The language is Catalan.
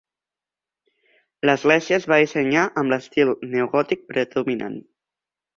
L'església es va dissenyar amb l'estil neogòtic predominant.